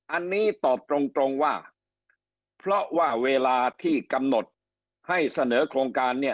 อันนี้ตอบตรงตรงว่าเพราะว่าเวลาที่กำหนดให้เสนอโครงการเนี่ย